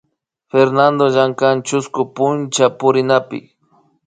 Fernando llankan chusku punchapurinapi